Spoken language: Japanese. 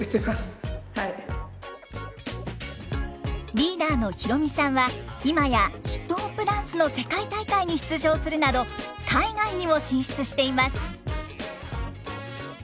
リーダーのヒロミさんは今やＨＩＰＨＯＰダンスの世界大会に出場するなど海外にも進出しています